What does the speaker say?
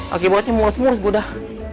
akibatnya murus murus gue dah